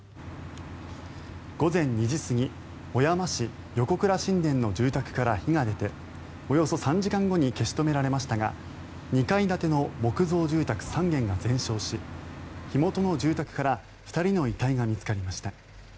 午前２時過ぎ、小山市横倉新田の住宅から火が出ておよそ３時間後に消し止められましたが２階建ての木造住宅３軒が全焼し火元の住宅から２人の遺体が見つかりました。